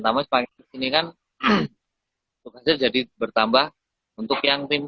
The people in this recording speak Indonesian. tapi ini kan tugasnya jadi bertambah untuk yang tim